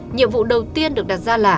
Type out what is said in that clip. nhiệm vụ đầu tiên được đặt ra là